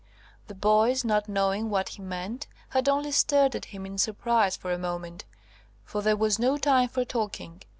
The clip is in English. The boys, not knowing what he meant, had only stared at him in surprise for a moment, for there was no time for talking.